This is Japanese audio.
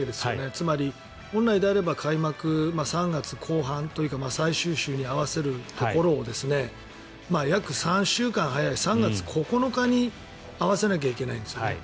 つまり本来であれば開幕、３月後半というか最終週に合わせるところを約３週間早い３月９日に合わせなきゃいけないんですね。